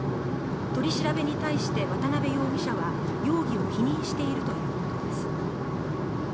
取り調べに対して渡部容疑者は容疑を否認しているということです。